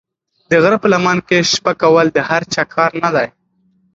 د غره په لمن کې شپه کول د هر چا کار نه دی.